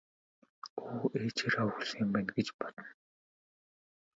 Өө ээжээрээ овоглосон юм байна гэж бодно.